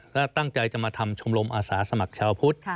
ก็ตั้งใจจะมาทำชมรมอาสาสมัครชาวพุทธ